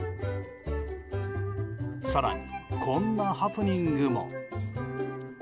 更に、こんなハプニングも。